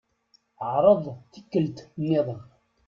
Ɛṛeḍ tikkelt-nniḍen.